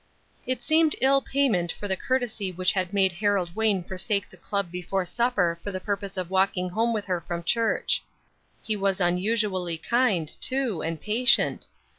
It seemed ill payment for the courtesy which had made Harold Wayne forsake the club before supper for the purpose of walking home with her from church. He was unusually kind, too, and patient.